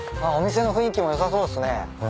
あっお店の雰囲気も良さそうっすね。